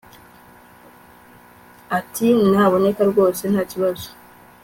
yntia ati naboneka rwose ntakibazo